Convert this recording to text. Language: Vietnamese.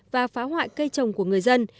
và phá hoại cây trồng của người dân